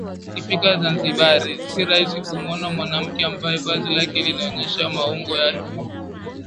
Ukifika Zanzibar si rahisi kumuona mwanamke ambaye vazi lake linaonyesha maungo yake